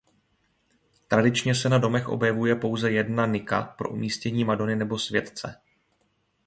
Tradičně se na domech objevuje pouze jedna nika pro umístění madony nebo světce.